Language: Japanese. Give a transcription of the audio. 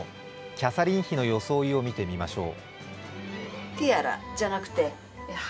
キャサリン妃の装いを見てみましょう。